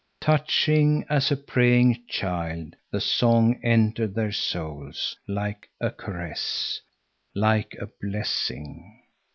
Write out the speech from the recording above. Touching as a praying child, the song entered their souls—like a caress, like a blessing.